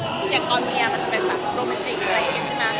อย่างตอนเมียมันจะเป็นแบบโรแมนติกอะไรอย่างนี้ใช่ไหม